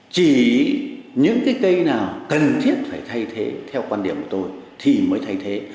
chỉ những cái cây nào cần thiết phải thay thế theo quan điểm của tôi thì mới thay thế